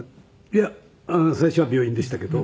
いや最初は病院でしたけど。